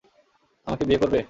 আমাকে বিয়ে করবে?